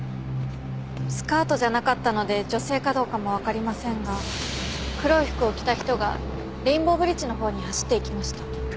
スカートじゃなかったので女性かどうかもわかりませんが黒い服を着た人がレインボーブリッジのほうに走っていきました。